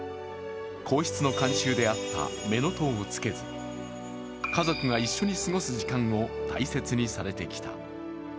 皇室の慣習であった乳母をつけず家族が一緒に過ごす時間を大切にされてきた。